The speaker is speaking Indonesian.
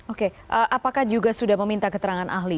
oke apakah juga sudah meminta keterangan ahli